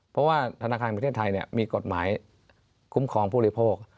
เพราะว่าธนาคารประเทศไทยมีกฎหมายคุ้มครองผู้บริโภค